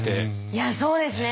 いやそうですね。